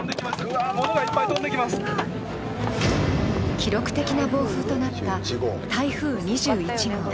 記録的な暴風となった台風２１号。